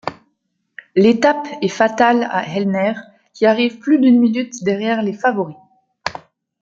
L'étape est fatal à Hellner qui arrive plus d'une minute derrière les favoris.